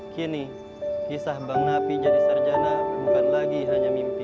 kini kisah bang napi jadi sarjana bukan lagi hanya mimpi